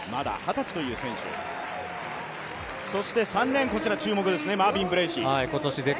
３レーンが注目ですね、マービン・ブレーシー。